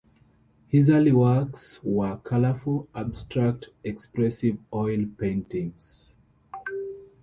His early works were colourful abstract expressive oil paintings.